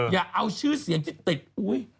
อย่าเอาชื่อเสียงที่ติดอุ๊ย